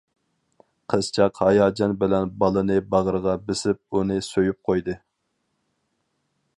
قىزچاق ھاياجان بىلەن بالىنى باغرىغا بېسىپ، ئۇنى سۆيۈپ قويدى.